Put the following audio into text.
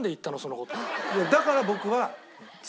だから僕は。